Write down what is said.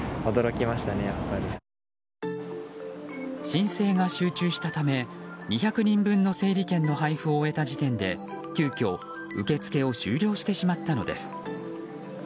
申請が集中したため２００人分の整理券の配布を終えた時点で急きょ、受け付けを終了してしまったのです。